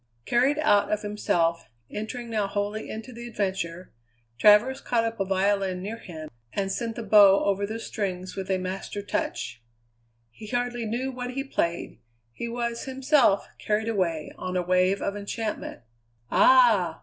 Carried out of himself, entering now wholly into the adventure, Travers caught up a violin near him and sent the bow over the strings with a master touch. He hardly knew what he played; he was himself, carried away on a wave of enchantment. "Ah!"